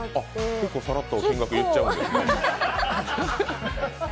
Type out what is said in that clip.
結構さらっと金額言っちゃうんですね。